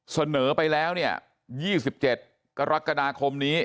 เสนอไปแล้วยี่สิบเจ็ดกรกฎาคมนี้